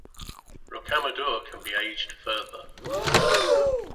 Rocamadour can be aged further.